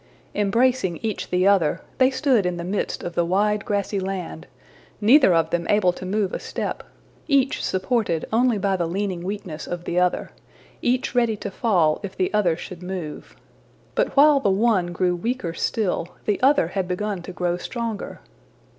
Embracing each the other, they stood in the midst of the wide grassy land, neither of them able to move a step, each supported only by the leaning weakness of the other, each ready to fall if the other should move. But while the one grew weaker still, the other had begun to grow stronger.